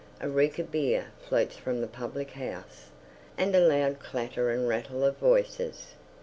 A reek of beer floats from the public house, and a loud clatter and rattle of voices.